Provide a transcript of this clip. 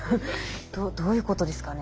どういうことですかね？